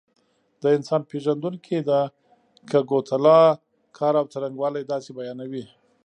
د انسان پېژندونکي د کګوتلا کار او څرنګوالی داسې بیانوي.